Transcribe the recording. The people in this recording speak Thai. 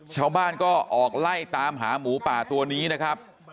ชาวบ้านก็ออกไล่ตามหาหมูป่าตัวนี้นะครับ